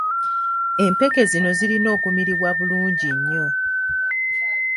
Empeke zino zirina okumiribwa bulungi nnyo.